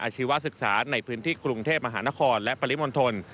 ชีวศึกษาในพื้นที่กรุงเทพมหานครและปริมณฑล